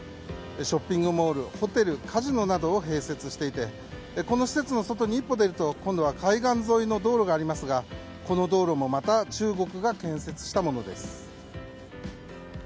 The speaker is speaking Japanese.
ショッピングモール、ホテルカジノなどを併設していてこの施設の外に１歩出ると今度は海岸沿いの道路がありますが、この道路もまた中国が建設したものです。